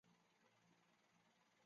皮伊米克朗。